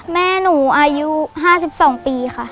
แม่หนูอายุ๕๒ปีค่ะ